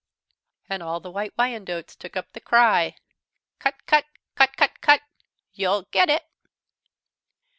And all the White Wyandottes took up the cry: "Cut, cut, cut, cut, cut you'll get it."